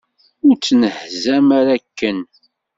Ur ttnehzam ara akken!